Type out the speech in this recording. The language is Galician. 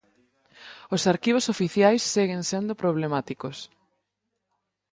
Os arquivos oficiais seguen sendo problemáticos.